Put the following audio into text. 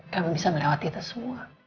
kami bisa melewati itu semua